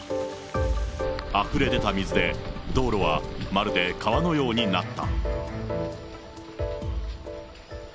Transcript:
あふれ出た水で、道路はまるで川のようになった。